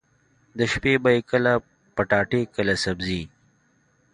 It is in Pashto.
د شپې به يې کله پټاټې کله سبزي.